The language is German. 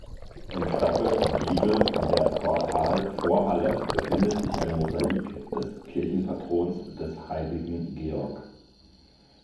Im Staffelgiebel der Portalvorhalle befindet sich ein Mosaik des Kirchenpatrons, des heiligen Georg.